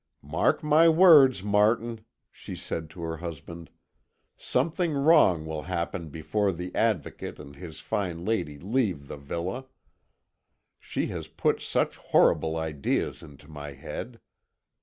"Mark my words, Martin," she said to her husband, "something wrong will happen before the Advocate and his fine lady leave the villa. She has put such horrible ideas into my head!